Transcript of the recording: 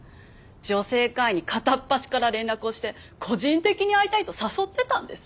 女性会員に片っ端から連絡をして個人的に会いたいと誘ってたんです。